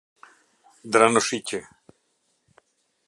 Dranoshiqi